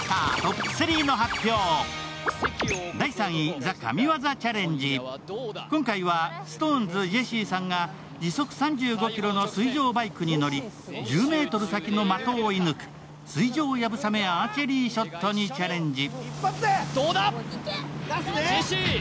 Ｔｗｉｔｔｅｒには今回はＳｉｘＴＯＮＥＳ・ジェシーさんが時速３５キロの水上バイクに乗り１０ｍ先の的を射ぬく水上やぶさめアーチェリーショットにチャレンジ。